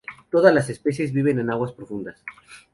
Todas las especies viven en aguas profundas.